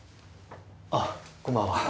あこんばんは。